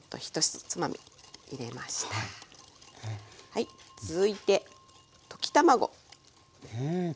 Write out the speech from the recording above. はい続いて溶き卵。